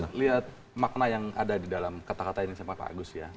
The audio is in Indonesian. kita lihat makna yang ada di dalam kata kata ini sama pak agus ya